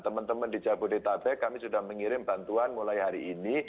teman teman di jabodetabek kami sudah mengirim bantuan mulai hari ini